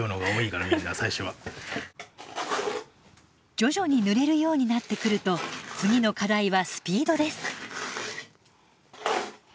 徐々に塗れるようになってくると次の課題はスピードです。